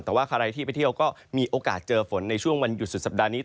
แต่ว่าใครที่ไปเที่ยวก็มีโอกาสเจอฝนในช่วงวันหยุดสุดสัปดาห์นี้